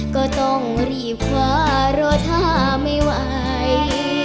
ก็ต้องรีบพารถาไม่ไหว